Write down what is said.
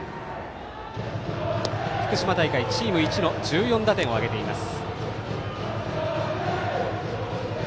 福島大会、チームいちの１４打点を挙げています。